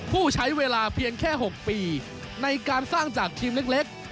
ผู้ใช้เวลาเพียงแค่๖ปีในการสร้างจากทีมเล็ก